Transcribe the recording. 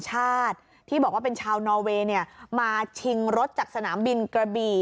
ชาติที่บอกว่าเป็นชาวนอเวย์เนี่ยมาชิงรถจากสนามบินกระบี่